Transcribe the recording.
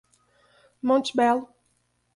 Monte Belo